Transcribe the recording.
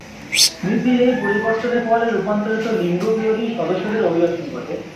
নীতির এই পরিবর্তনের ফলে রূপান্তরিত লিঙ্গ বিরোধী সদস্যদের অভিবাসন ঘটে।